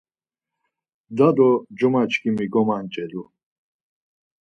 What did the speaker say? Da do cumaçkimi gomanç̌elu.